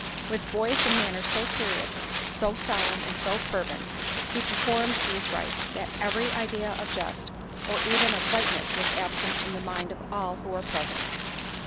With voice and manners so serious, so solemn and so fervent, he performed these rites, that every idea of jest, or even of lightness, was absent from the mind of all who were present.